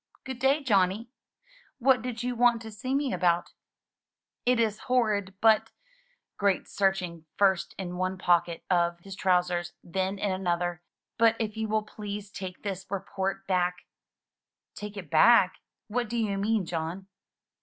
"Good day, Johnny! What did you want to see me about?" "It is horrid, but" — great searching first in one pocket of his trousers, then in the other — "but if you will please take this report back" — 103 MY BOOK HOUSE 'Take it back? What do you mean, John?"